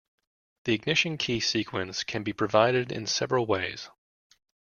The ignition key sequence can be provided in several ways.